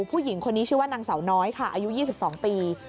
ผู้หญิงคนนี้ชื่อว่านางสาวน้อยค่ะอายุ๒๒ปี